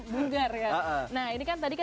benggar ya nah ini kan tadi